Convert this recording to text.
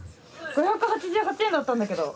５８８円だったんだけど。